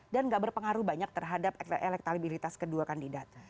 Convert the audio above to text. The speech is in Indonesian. dan gak berpengaruh banyak terhadap elektabilitas kedua kandidat